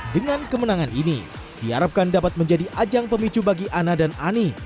dengan kemenangan ini diharapkan dapat menjadi ajang pemicu bagi ana dan ani